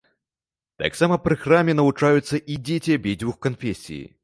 Таксама пры храме навучаюцца і дзеці абедзвюх канфесій.